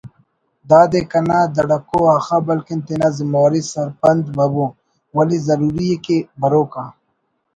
دادے کنا دھڑکو آخا بلکن تینا زمواری سرپند مبو…… ولے ضروری ءِ کہ بروک آ